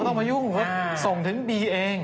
ไม่ต้องมายุ่งเพราะส่งถึงบีเอง